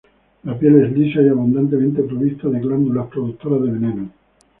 La piel es lisa y abundantemente provista de glándulas productoras de veneno.